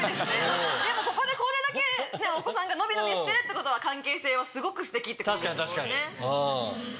でもここでこれだけお子さんが伸び伸びしてるってことは関係性はすごくステキってことですもんね。